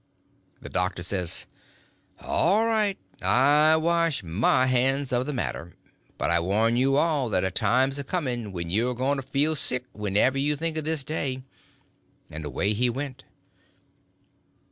The doctor says: "All right; I wash my hands of the matter. But I warn you all that a time 's coming when you're going to feel sick whenever you think of this day." And away he went.